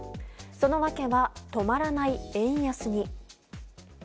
その訳は、止まらない円安に。